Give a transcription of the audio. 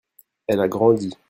elle a grandi.